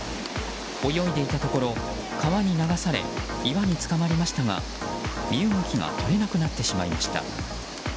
泳いでいたところ川に流され岩につかまりましたが身動きが取れなくなってしまいました。